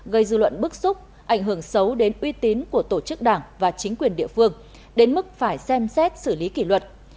gây dư luận bức xúc ảnh hưởng xấu đến uy tín của tổ chức đảng và chính quyền địa phương đến mức phải xem xét xử lý kỷ luật